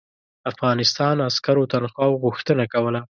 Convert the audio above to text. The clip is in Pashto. افغانستان عسکرو تنخواوو غوښتنه کوله.